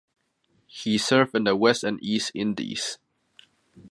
He served in the West and East Indies.